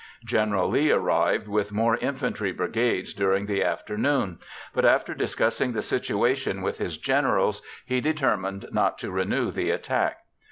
General Lee arrived with more infantry brigades during the afternoon, but after discussing the situation with his generals, he determined not to renew the attack.